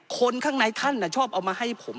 คนข้างในท่านชอบเอามาให้ผม